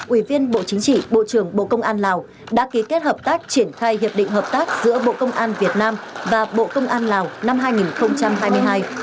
ủy viên bộ chính trị bộ trưởng bộ công an lào đã ký kết hợp tác triển khai hiệp định hợp tác giữa bộ công an việt nam và bộ công an lào năm hai nghìn hai mươi hai